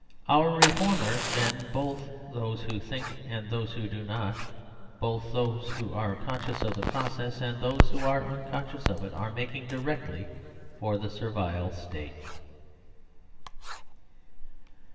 Ourreformers, then, both thosewhothinkand those who do not, both those who are conscious of the pro r cess and those who are unconscious of it, are making directly for the Servile State.